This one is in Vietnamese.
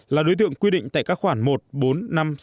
là đối tượng quy định tại các khoản